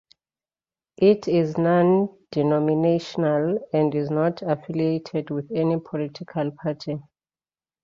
It is non-denominational and is not affiliated with any political party.